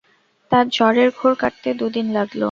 তাঁর জ্বরের ঘোর কাটতে দু দিন লাগল।